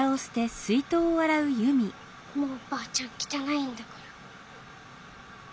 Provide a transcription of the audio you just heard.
もうばあちゃんきたないんだから。